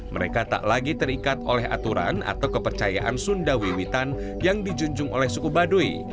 mereka tak lagi terikat oleh aturan atau kepercayaan sunda wiwitan yang dijunjung oleh suku baduy